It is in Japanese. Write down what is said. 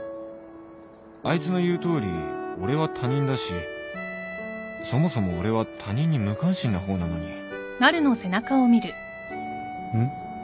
あいつの言うとおり俺は他人だしそもそも俺は他人に無関心な方なのにん？